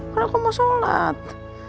kok aku mau sholat